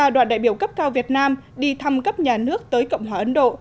đoàn đại biểu cấp cao việt nam đi thăm cấp nhà nước tới cộng hòa ấn độ